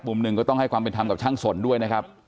มุมหนึ่งก็ต้องให้ความเป็นธรรมกับช่างสนด้วยนะครับ